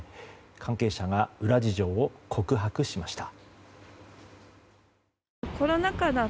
関係者が裏事情を告白しました。